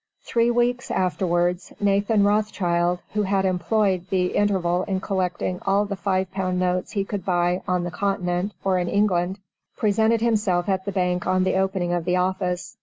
Three weeks afterwards, Nathan Rothschild, who had employed the interval in collecting all the five pound notes he could buy on the continent, or in England presented himself at the bank on the opening of the office.